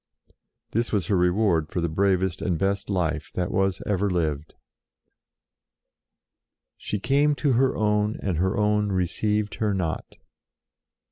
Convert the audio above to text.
This was her reward for the bravest and best life that was ever lived. She came to her own and her own received her not.